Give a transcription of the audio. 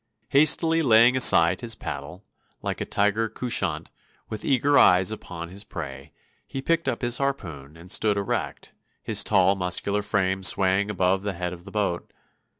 Hastily laying aside his paddle, like a tiger couchant, with eager eyes upon his prey, he picked up his harpoon, and stood erect, his tall, muscular frame swaying above the head of the boat.